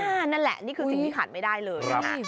นั่นแหละนี่คือสิ่งที่ขาดไม่ได้เลย